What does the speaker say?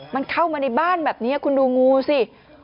มันเข้ามาในบ้านแบบนี้คุณดูงูสิ